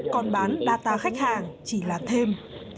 còn bán data khách hàng chỉ là thêm